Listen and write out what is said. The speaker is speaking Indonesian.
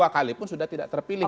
dua kali pun sudah tidak terpilih